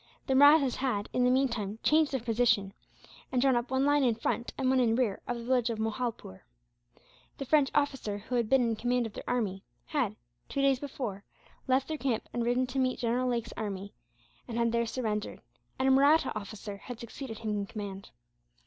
The Mahrattas had, in the meantime, changed their position; and drawn up one line in front and one in rear of the village of Mohaulpore. The French officer who had been in command of their army had, two days before, left their camp and ridden to meet General Lake's army; and had there surrendered, and a Mahratta officer had succeeded him in command.